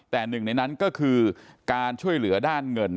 แต่หนึ่งในนั้นก็คือการช่วยเหลือด้านเงิน